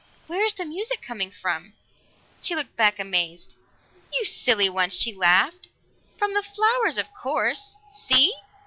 "Where is the music coming from?" She looked back amazed. "You silly one!" she laughed. "From the flowers, of course. See!"